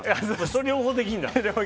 それ、両方できるんだ。